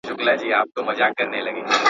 د ودانیو معمارانو ته ځي.